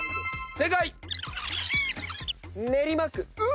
正解！